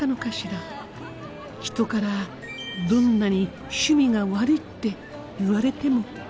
人からどんなに趣味が悪いって言われても。